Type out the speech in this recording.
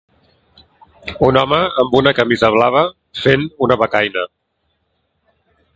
un home amb una camisa blava fent una becaina